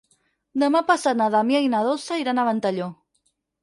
Demà passat na Damià i na Dolça iran a Ventalló.